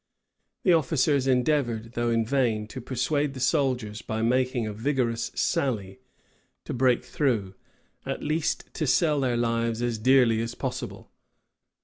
The officers endeavored, though in vain, to persuade the soldiers, by making a vigorous sally, to break through, at least to sell their lives as dear as possible.